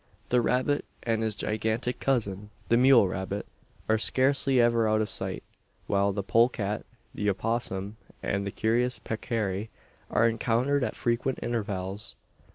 The rabbit, and his gigantic cousin, the mule rabbit, are scarcely ever out of sight; while the polecat, the opossum, and the curious peccary, are encountered at frequent intervals.